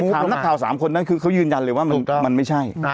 ถามนักข่าว๓คนนั้นคือเขายืนยันเลยว่ามันไม่ใช่